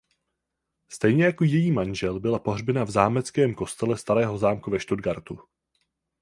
Stejně jako její manžel byla pohřbena v zámeckém kostele Starého zámku ve Stuttgartu.